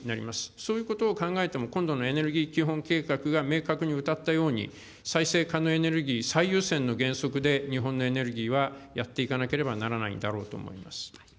そういうことを考えても、今度のエネルギー基本計画が明確にうたったように、再生可能エネルギー最優先の原則で、日本のエネルギーはやっていかなければならないんだろうと思います。